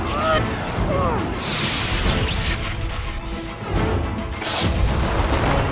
sekarang ayo kita lanjutkan